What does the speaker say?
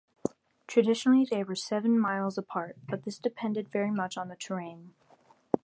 Traditionally they were seven miles apart but this depended very much on the terrain.